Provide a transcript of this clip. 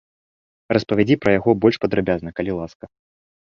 Распавядзі пра яго больш падрабязна, калі ласка.